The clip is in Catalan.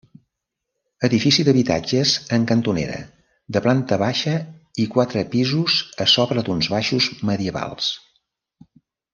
Edifici d'habitatges en cantonera, de planta baixa i quatre pisos a sobre d'uns baixos medievals.